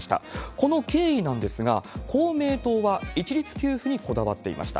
この経緯なんですが、公明党は一律給付にこだわっていました。